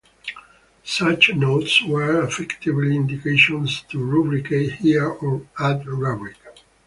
Such notes were effectively indications to "rubricate here" or "add rubric".